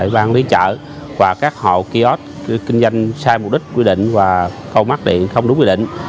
và các hộ ký ốt kinh doanh sai mục đích quy định và câu mắc điện không đúng quy định